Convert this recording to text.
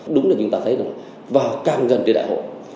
đúng là chúng ta thấy rồi và càng gần như đại hội